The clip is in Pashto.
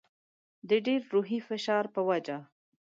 د ډېر روحي فشار په وجه.